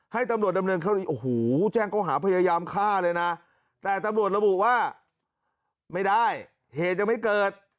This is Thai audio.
ให้ตำรวจดำเนินคดีโอ้โหแจ้งเขาหาพยายามฆ่าเลยนะแต่ตำรวจระบุว่าไม่ได้เหตุยังไม่เกิด